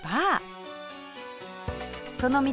その道